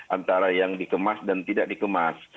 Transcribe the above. antara yang dikemas dan tidak dikemas